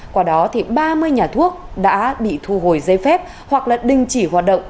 qua đó thì ba mươi nhà thuốc đã bị thu hồi giấy phép hoặc là đình chỉ hoạt động